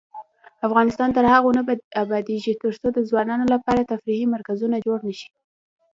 افغانستان تر هغو نه ابادیږي، ترڅو د ځوانانو لپاره تفریحي مرکزونه جوړ نشي.